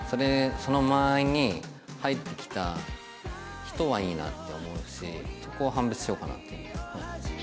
その間合いに入ってきた人はいいなって思うしそこを判別しようかなって。